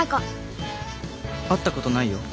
「会ったことないよ